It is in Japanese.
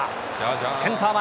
センター前。